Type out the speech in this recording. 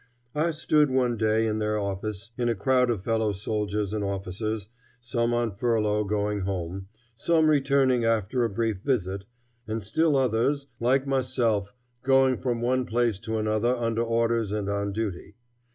I stood one day in their office in a crowd of fellow soldiers and officers, some on furlough going home, some returning after a brief visit, and still others, like myself, going from one place to another under orders and on duty.